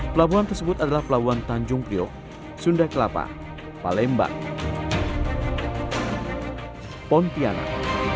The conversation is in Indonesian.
pelabuhan tersebut adalah pelabuhan tanjung priok sunda kelapa palembang pontianak